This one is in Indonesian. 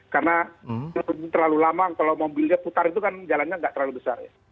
karena terlalu lama kalau mobilnya putar itu kan jalannya tidak terlalu besar